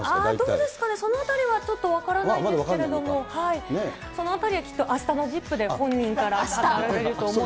どうですかね、そのあたりはちょっと分からないんですけれども、そのあたりはきっと、あしたのＺＩＰ！で本人からあると思います。